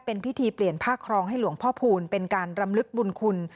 เป็นพิธีเปลี่ยนผ้าครองให้หลวงพ่อพูลเป็นการรำลึกบุญคุณ